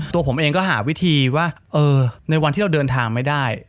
ตัวผมเองก็หาวิธีว่าในวันที่เราเดินทางไม่ได้